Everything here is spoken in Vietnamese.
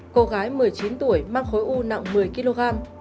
cô gái một mươi chín tuổi mang khối u nặng một mươi kg